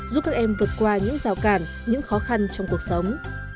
giúp các em vượt qua những rào cản những khó khăn trong cuộc sống